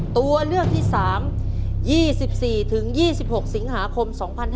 ตัวเลือกที่๓๒๔๒๖สิงหาคม๒๕๖๒